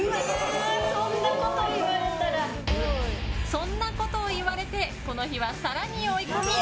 そんなことを言われてこの日は、更に追い込み。